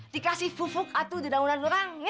dikasih fufuk itu di daunan orang